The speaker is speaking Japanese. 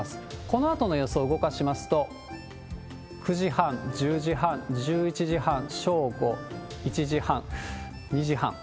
このあとの予想動かしますと、９時半、１０時半、１１時半、正午、１時半、２時半。